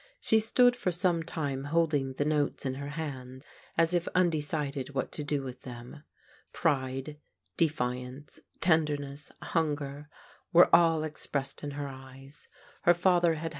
She stood for some time holding the notes in her hand as if undecided what to do with them. Pride, defiance, tenderness, hunger, were all expressed in her eyes. Her father \lzAl Vis\^^«^.